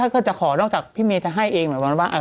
ถ้าเกิดจะขอนอกจากพี่เมย์จะให้เองหรือเปล่า